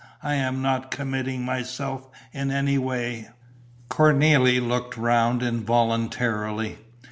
I am not committing myself in any way." Cornélie looked round involuntarily.